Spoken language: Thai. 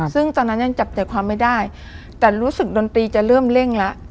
ซึ่งตอนนั้นยังจับใจความไม่ได้แต่รู้สึกดนตรีจะเริ่มเร่งแล้ว